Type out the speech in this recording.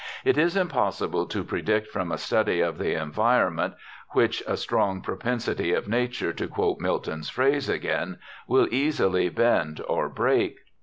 It is impossible to predict from a study of the environment, which a "strong propensity of nature," to quote Milton's phrase again, will easily bend or break.